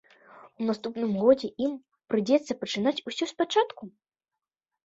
У наступным годзе ім прыйдзецца пачынаць усё спачатку?